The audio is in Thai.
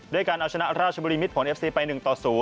การเอาชนะราชบุรีมิดผลเอฟซีไป๑ต่อ๐